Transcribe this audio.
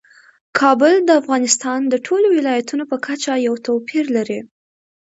کابل د افغانستان د ټولو ولایاتو په کچه یو توپیر لري.